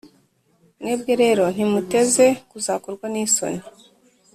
mwebwe rero, ntimuteze kuzakorwa n’isoni,